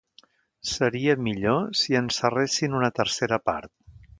Seria millor si en serressin una tercera part.